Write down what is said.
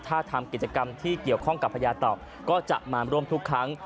ถ้าทำกิจกรรมที่เกี่ยวข้องกับพญาเต่าก็จะมาร่วมทุกครั้ง